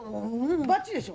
バッチリでしょ？